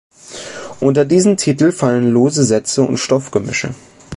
Unter diesen Titel fallen lose Sätze und Stoffgemische.